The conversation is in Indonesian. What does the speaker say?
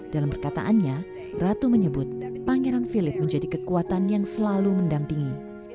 dalam perkataannya ratu menyebut pangeran philip menjadi kekuatan yang selalu mendampingi